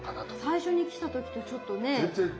最初に来た時とちょっとね。